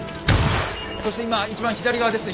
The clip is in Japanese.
そして今一番左側ですね